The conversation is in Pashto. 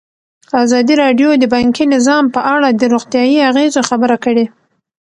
ازادي راډیو د بانکي نظام په اړه د روغتیایي اغېزو خبره کړې.